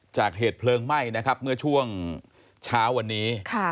จากเหตุเพลิงไหม้นะครับเมื่อช่วงเช้าวันนี้